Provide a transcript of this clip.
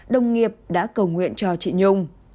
đồng nghiệp đã cầu nguyện cho chị nhung